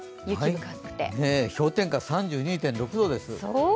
氷点下３２．６度です。